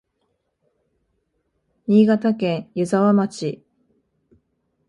新潟県湯沢町